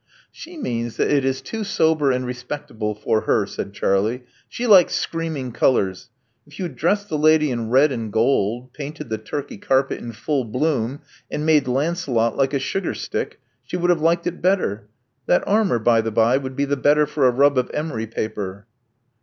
She mean^ that it is too sober and respectable for her,*' said Charlie. "She likes screaming colors. If you had dressed the lady in red and gold; painted the Turkey carpet in full bloom ; and made Lancelot like a sugar stick, she would have liked it better. That armor, by the bye, would be the better for a rub of emery paper.